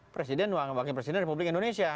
presiden republik indonesia